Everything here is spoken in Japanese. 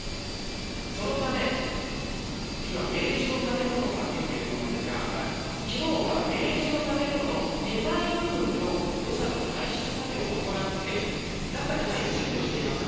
そのため今、ベージュの建物が見えていると思うんですが昨日はベージュの建物の手前部分の土砂の排出作業を行って中に入る準備をしていました。